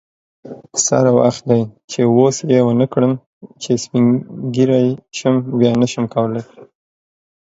سری وخت دی چی اوس یی ونکړم چی سپین ږیری شم بیا نشم کولی